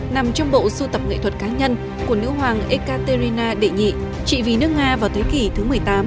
nằm trong bộ sưu tập nghệ thuật cá nhân của nữ hoàng ekaterina đệ nhị chỉ vì nước nga vào thế kỷ thứ một mươi tám